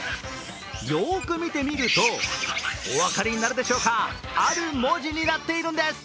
よく見てみると、お分かりになるでしょうか、ある文字になっているんです。